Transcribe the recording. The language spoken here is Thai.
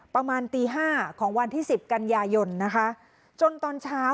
ประมาณตีห้าของวันที่สิบกันยายนนะคะจนตอนเช้า